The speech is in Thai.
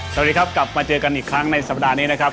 สวัสดีครับกลับมาเจอกันอีกครั้งในสัปดาห์นี้นะครับ